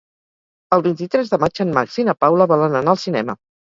El vint-i-tres de maig en Max i na Paula volen anar al cinema.